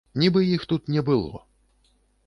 Нібы іх тут не было.